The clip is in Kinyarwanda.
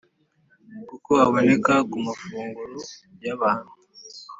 kuko aboneka ku mafunguro y’abantu